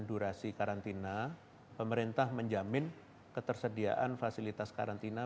durasi karantina pemerintah menjamin ketersediaan fasilitas karantina